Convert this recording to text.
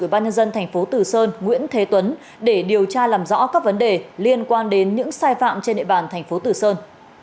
ủy ban nhân dân tp tử sơn nguyễn thế tuấn để điều tra làm rõ các vấn đề liên quan đến những sai phạm trên địa bàn tp tử sơn